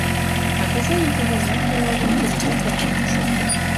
А каза йӱкым ожнат колалтын, кызытат коклан шокта.